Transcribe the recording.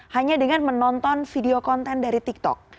hanya dengan menonton video konten dari tiktok